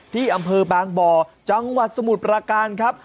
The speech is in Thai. ที่อำเภอบางบ่อจังหวัดสมุทรประการครับ